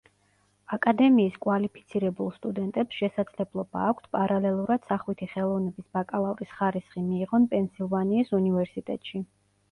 აკადემიის კვალიფიცირებულ სტუდენტებს შესაძლებლობა აქვთ პარალელურად სახვითი ხელოვნების ბაკალავრის ხარისხი მიიღონ პენსილვანიის უნივერსიტეტში.